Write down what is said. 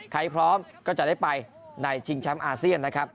พร้อมก็จะได้ไปในชิงแชมป์อาเซียนนะครับ